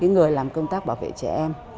người làm công tác bảo vệ trẻ em